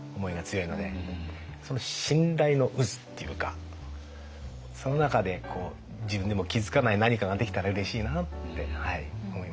その信頼の渦っていうかその中で自分でも気づかない何かができたらうれしいなって思います。